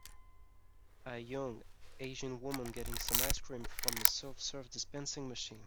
A young Asian woman getting some ice cream from a self serve dispensing machine.